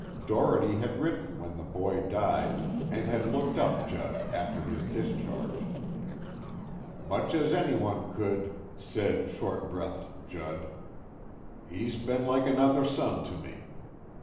Doherty had written when the boy died, and had looked up Judd after his discharge. "Much as anyone could," said short breathed Judd, "he's been like another son to me.